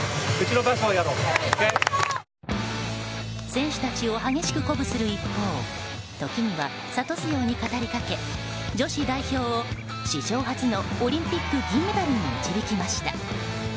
選手たちを激しく鼓舞する一方時には諭すように語り掛け女子代表を史上初のオリンピック銀メダルに導きました。